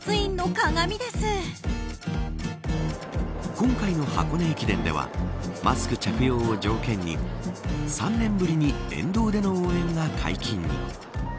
今回の箱根駅伝ではマスク着用を条件に３年ぶりに沿道での応援が解禁に。